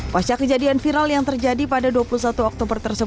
pasca kejadian viral yang terjadi pada dua puluh satu oktober